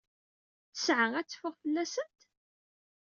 Ttesɛa ad teffeɣ fell-asent?